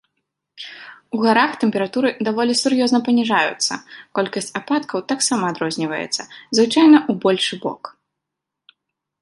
У гарах тэмпературы даволі сур'ёзна паніжаюцца, колькасць ападкаў таксама адрозніваецца, звычайна ў большы бок.